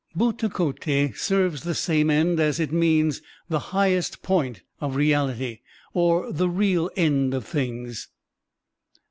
BhAtakoti serves the same end, as it means the "highest point of reality," or "the real end of things."